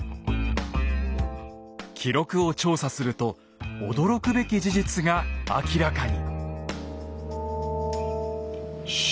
記録を調査すると驚くべき事実が明らかに。